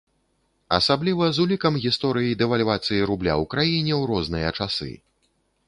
Асабліва з улікам гісторый дэвальвацыі рубля ў краіне ў розныя часы.